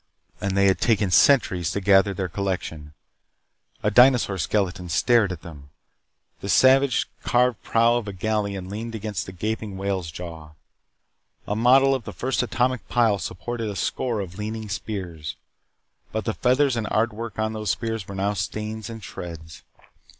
And they had taken centuries to gather their collection. A dinosaur skeleton stared at them. The salvaged carved prow of a galleon leaned against a gaping whale's jaw. A model of the first atomic pile supported a score of leaning spears, but the feathers and artwork on those spears were now stains and shreds.